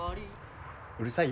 うるさい？